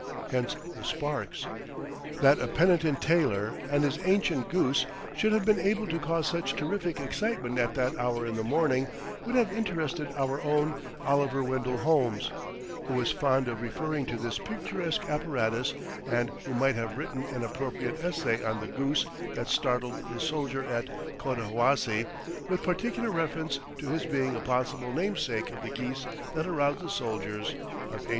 Hence the sparks! That a penitent tailor and his ancient goose should have been able to cause such terrific excitement at that hour in the morning would have interested our own Oliver Wendell Holmes, who was fond of referring to this picturesque apparatus and who might have written an appropriate essay on The Goose that Startled the Soldier of Cotahuasi; with Particular Reference to His Being a Possible Namesake of the Geese that Aroused the Soldiers of Ancient Rome.